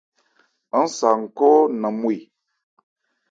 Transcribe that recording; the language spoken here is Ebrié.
Aán sa n-khɔ́ nanmwê.